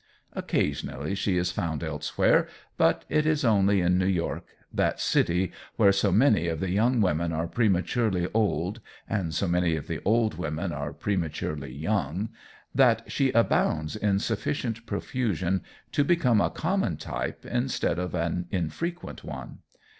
Occasionally she is found elsewhere but it is only in New York, that city where so many of the young women are prematurely old and so many of the old women are prematurely young, that she abounds in sufficient profusion to become a common type instead of an infrequent one.